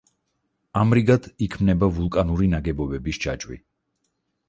ამრიგად, იქმნება ვულკანური ნაგებობების ჯაჭვი.